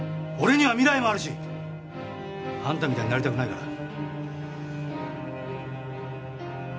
俺には未来もあるしあんたみたいになりたくないな。